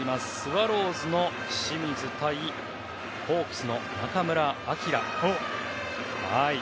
スワローズの清水対ホークスの中村晃。